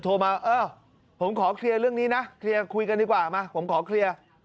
โทรมาเออผมขอเคลียร์เรื่องนี้นะเคลียร์คุยกันดีกว่ามาผมขอเคลียร์